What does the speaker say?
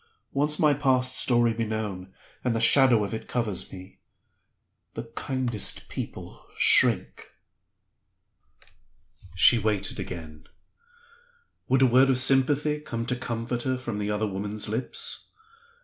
Once let my past story be known, and the shadow of it covers me; the kindest people shrink." She waited again. Would a word of sympathy come to comfort her from the other woman's lips?